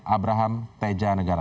abraham teja negara